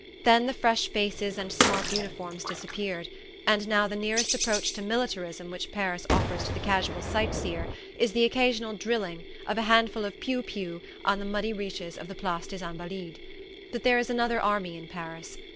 Then the fresh faces and smart uniforms disappeared, and now the nearest approach to "militarism" which Paris offers to the casual sight seer is the occasional drilling of a handful of piou pious on the muddy reaches of the Place des Invalides. But there is another army in Paris.